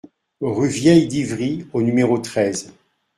Rue Vieille d'Ivry au numéro treize